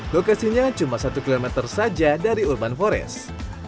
lokasinya cuma satu km saja dari urban forest